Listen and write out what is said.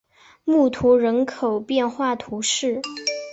穆图人口变化图示